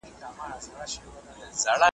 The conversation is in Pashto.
دومره لوړ اسمان ته څوک نه وه ختلي `